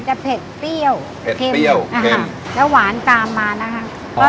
เผ็ดเปรี้ยวเผ็ดเปรี้ยวแล้วหวานตามมานะคะ